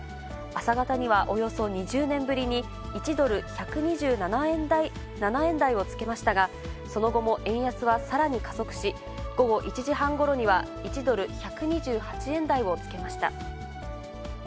朝方には、およそ２０年ぶりに、１ドル１２７円台をつけましたが、その後も円安はさらに加速し、午後１時半ごろには、１ドル１２８円台をつけました。